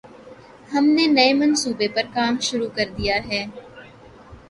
ہم نے نئے منصوبے پر کام شروع کر دیا ہے۔